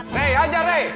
ray anjar ray